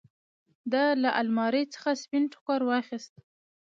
ده له المارۍ څخه سپين ټوکر واخېست.